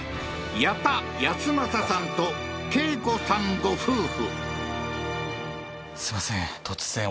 矢田安政さんと恵子さんご夫婦